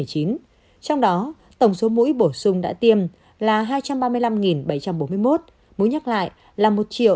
trong đó tổng số mũi bổ sung đã tiêm là hai trăm ba mươi năm bảy trăm bốn mươi một mũi nhắc lại là một ba trăm năm mươi bốn ba trăm bảy mươi một